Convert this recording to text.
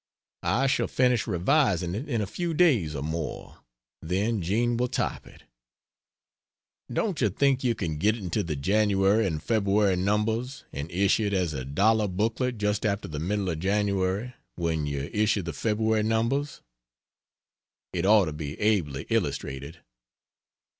I shall finish revising it in a few days or more, then Jean will type it. Don't you think you can get it into the Jan. and Feb. numbers and issue it as a dollar booklet just after the middle of Jan. when you issue the Feb. number? It ought to be ably illustrated.